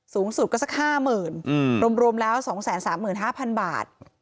สูงสุดก็สักห้าหมื่นอืมรวมรวมแล้วสองแสนสามหมื่นห้าพันบาท